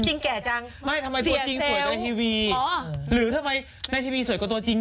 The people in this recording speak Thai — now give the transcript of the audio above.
ตัวจริงแก่จัง